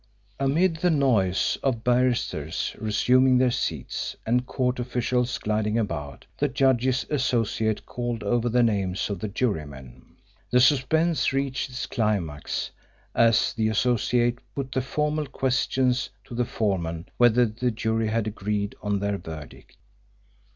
Amid the noise of barristers resuming their seats and court officials gliding about, the judge's Associate called over the names of the jurymen. The suspense reached its climax as the Associate put the formal questions to the foreman whether the jury had agreed on their verdict.